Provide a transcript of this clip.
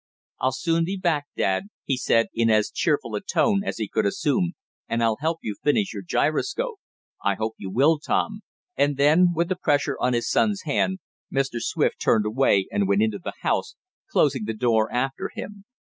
"I'll soon be back, dad," he said in as cheerful a tone as he could assume, "and I'll help you finish your gyroscope." "I hope you will, Tom," and then, with a pressure of his son's hand, Mr. Swift turned away and went into the house, closing the door after him.